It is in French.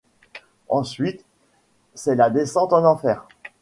Ensuite, c'est la descente en enfer.